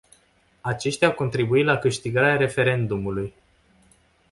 Aceștia au contribuit la câștigarea referendumului.